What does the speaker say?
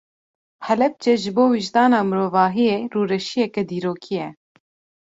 Helepçe ji bo wijdana mirovahiyê rûreşiyeke dîrokî ye.